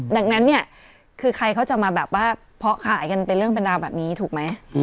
ดังนั้นเนี่ยคือใครเขาจะมาแบบว่าเพาะขายกันเป็นเรื่องเป็นราวแบบนี้ถูกไหม